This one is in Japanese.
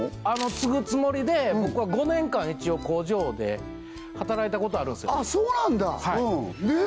継ぐつもりで僕は５年間一応工場で働いたことあるんすよそうなんだで？